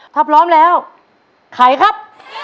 พร้อมแล้วไข่ครับ